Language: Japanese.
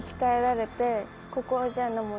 ここじゃ。